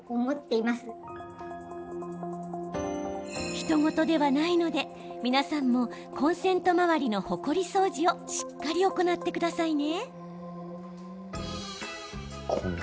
ひと事ではないので、皆さんもコンセント周りのほこり掃除をしっかり行ってくださいね。